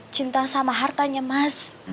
cinta sama hartanya mas